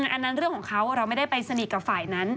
อันนั้นเรื่องของเขาเราไม่ได้ไปสนิทกับฝ่ายนั้น